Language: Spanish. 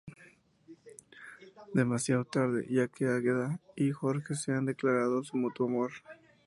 Demasiado tarde, ya que Águeda y Jorge se han declarado su mutuo amor.